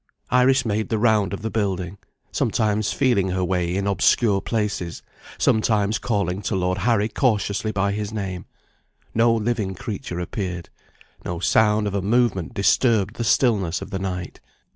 Iris made the round of the building; sometimes feeling her way in obscure places; sometimes calling to Lord Harry cautiously by his name. No living creature appeared; no sound of a movement disturbed the stillness of the night.